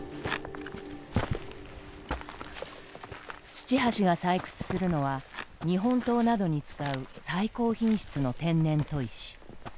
土橋が採掘するのは日本刀などに使う最高品質の天然砥石。